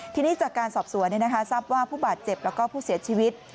ทีนี้จากการสอบสวนทรัพย์ว่าผู้บาดเจ็บแล้วก็ผู้เสียชีวิต